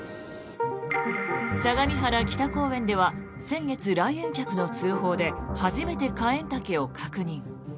相模原北公園では先月、来園客の通報で初めてカエンタケを確認。